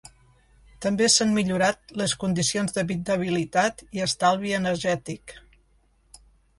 També s’han millorat les condicions d’habitabilitat i estalvi energètic.